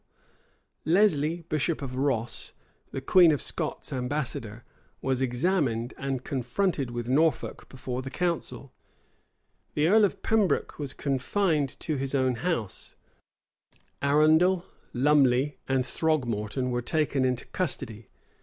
[*] Lesley, bishop of Ross, the queen of Scots' ambassador, was examined, and confronted with Norfolk before the council.[] The earl of Pembroke was confined to his own house: Arundel, Lumley, and Throgmorton were taken into custody.